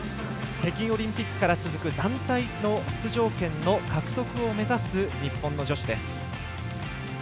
北京オリンピックから続く団体の出場権の獲得を目指す日本の女子です。